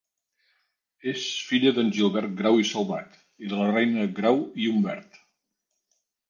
És filla d'en Gilbert Grau i Salvat, i de la Reina Grau i Humbert.